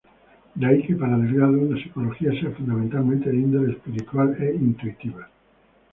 De ahí que para Delgado, la psicología sea fundamentalmente de índole espiritual e intuitiva.